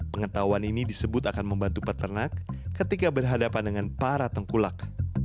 pengetahuan ini disebut akan membantu peternak ketika berhadapan dengan para tengkulak